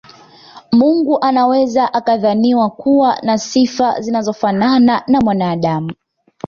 Mungu anaweza akadhaniwa kuwa na sifa zinazofanana na za mwanaadamu